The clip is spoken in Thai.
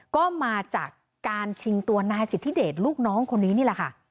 ก็มาจากการชิงตัวนายสิทธิเดชลูกน้องคนนี้นี่แหละค่ะ